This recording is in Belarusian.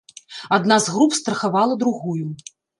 Адна з груп страхавала другую.